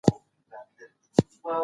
دا کيسې د مينې او رومانس په اړه وې.